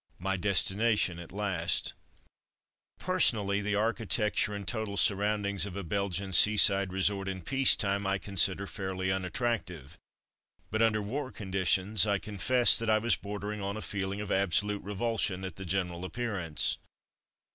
My destination at last ! Cracked Coxyde 159 Personally, the architecture and total surroundings of a Belgian seaside resort in peace time I consider fairly unattractive, but under war conditions I confess that I was bordering on a feeling of absolute re vulsion at the general appearance.